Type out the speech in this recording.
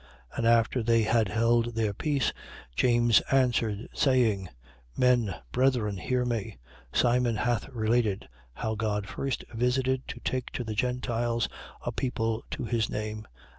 15:13. And after they had held their peace, James answered, saying: Men, brethren, hear me. 15:14. Simon hath related how God first visited to take to the Gentiles, a people to his name.